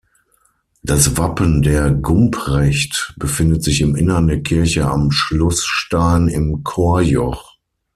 Das Wappen der Gumprecht befindet sich im Innern der Kirche am Schlussstein im Chorjoch.